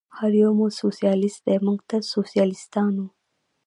هر یو مو سوسیالیست دی، موږ تل سوسیالیستان و.